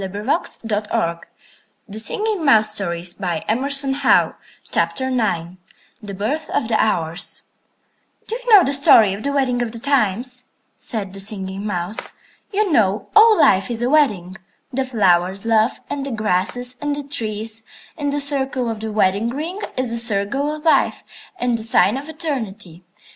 [Illustration: The Birth of the Hours] THE BIRTH OF THE HOURS "Do you know the story of the Wedding of the Times?" said the Singing Mouse. "You know, all life is a wedding. The flowers love, and the grasses, and the trees; and the circle of the wedding ring is the circle of life and the sign of eternity.